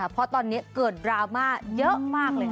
เพราะตอนนี้เกิดดราม่าเยอะมากเลยค่ะ